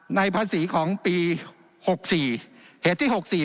ในภาษีของปีหกสี่เหตุที่หกสี่